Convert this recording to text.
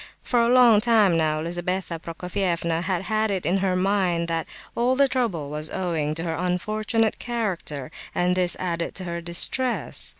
For a long time now Lizabetha Prokofievna had had it in her mind that all the trouble was owing to her "unfortunate character," and this added to her distress.